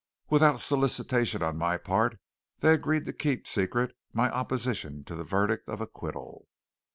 Without solicitation on my part they agreed to keep secret my opposition to the verdict of acquittal.